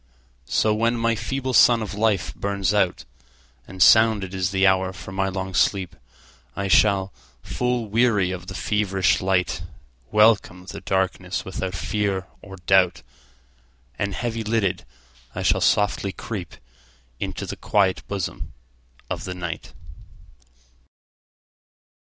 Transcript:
So when my feeble sun of life burns out, And sounded is the hour for my long sleep,I shall, full weary of the feverish light, Welcome the darkness without fear or doubt, And heavy lidded, I shall softly creepInto the quiet bosom of the Night.